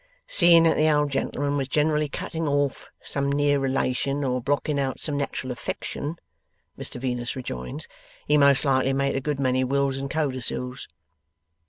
'Seeing that the old gentleman was generally cutting off some near relation, or blocking out some natural affection,' Mr Venus rejoins, 'he most likely made a good many wills and codicils.